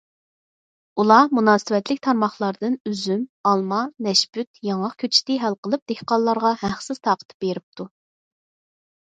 ئۇلار مۇناسىۋەتلىك تارماقلاردىن ئۈزۈم، ئالما، نەشپۈت، ياڭاق كۆچىتى ھەل قىلىپ، دېھقانلارغا ھەقسىز تارقىتىپ بېرىپتۇ.